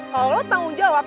kalau lo tanggung jawab